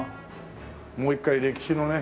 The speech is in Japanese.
もう一回歴史のね